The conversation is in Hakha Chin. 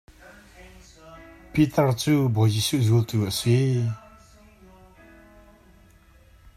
Piter cu Bawi Zisuh zultu a si.